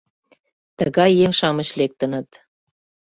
— Тыгай еҥ-шамыч лектыныт